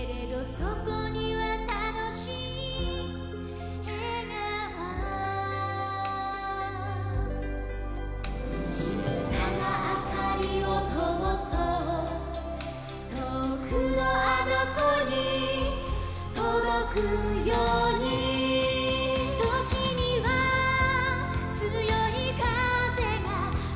「そこにはたのしいえがお」「ちいさなあかりをともそう」「とおくのあのこにとどくように」「ときにはつよいかぜがふいて」